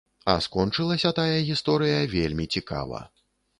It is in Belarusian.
А скончылася тая гісторыя вельмі цікава.